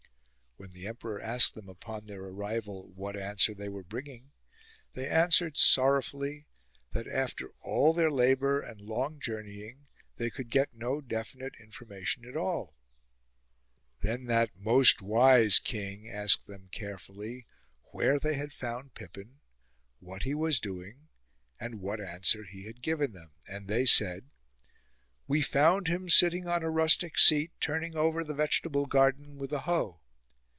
When the emperor asked them upon their arrival what answer they were bringing, they answered sorrowfully that after all their labour and long journeying they could get no definite information at all. Then that most wise king asked them carefully where they had found Pippin, what he was doing, and what answer he had given them ; and they said :" We found him sitting on a rustic seat turning over the 134 CHARLES INTERPRETS vegetable garden with a hoe.